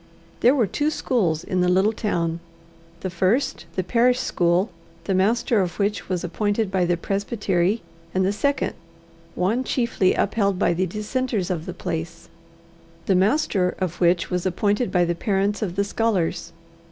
There were two schools in the little town the first, the parish school, the master of which was appointed by the presbytery; the second, one chiefly upheld by the dissenters of the place, the master of which was appointed by the parents of the scholars.